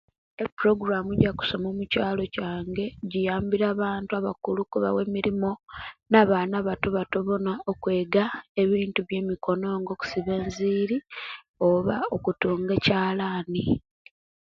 Epuloguramu egyo kusoma omukyalo kyange kiyambile abantu abakulu okubawa emiromo nabaana abatobato bona okwega ebintu byemukono nga okusiba enviiri oba okutunga ekyalani